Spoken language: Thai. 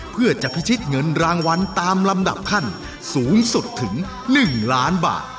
เพื่อจะพิชิตเงินรางวัลตามลำดับขั้นสูงสุดถึง๑ล้านบาท